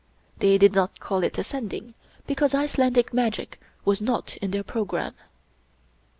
They did not call it a Sending because Icelandic magic was not in their programme.